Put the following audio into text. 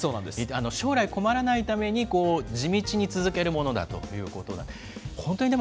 将来困らないために地道に続けるものだということなんですね。